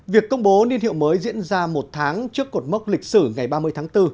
việc công bố niên hiệu mới diễn ra một tháng trước cột mốc lịch sử ngày ba mươi tháng bốn